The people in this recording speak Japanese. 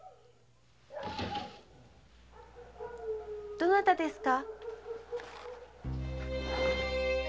どなたですか？